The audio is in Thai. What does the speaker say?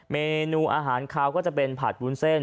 เมนูอาหารคาวก็จะเป็นผัดวุ้นเส้น